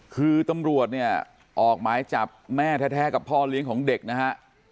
คือตำรวจเนี่ยออกหมายจับแม่แท้กับพ่อเลี้ยงของเด็กนะฮะ